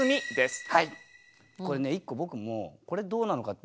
これね１個僕もこれどうなのかって。